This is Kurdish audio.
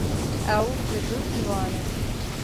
Ew ji dil ciwan e.